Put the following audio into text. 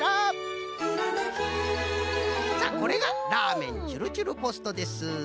さあこれがラーメンちゅるちゅるポストです。